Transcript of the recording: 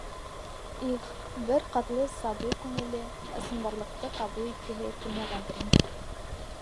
Их, бер ҡатлы сабый күңеле, ысынбарлыҡты ҡабул иткеһе килмәгәндер инде.